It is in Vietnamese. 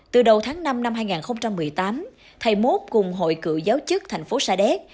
từ đầu tháng năm năm hai nghìn một mươi tám thầy mốt cùng hội cựu giáo chức thành phố sa đéc